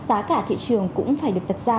giá cả thị trường cũng phải được đặt ra